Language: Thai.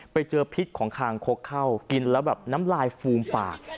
ไปเจอพิษของคางคกเข้ากินแล้วแบบน้ำลายฟูมปาก